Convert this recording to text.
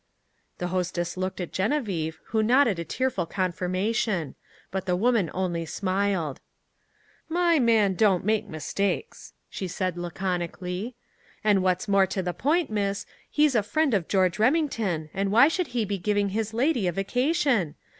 The hostess looked at Genevieve, who nodded a tearful confirmation. But the woman only smiled. "My man don't make mistakes," she said laconically. "And, what's more to the point, miss, he's a friend of George Remington, and why should he be giving his lady a vacation?